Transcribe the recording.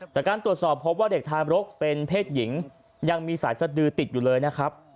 จากการตรวจสอบพบว่าเด็กทามรกเป็นเพศหญิงยังมีสายสดือติดอยู่เลยนะครับ